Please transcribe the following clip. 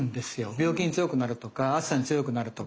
病気に強くなるとか暑さに強くなるとか。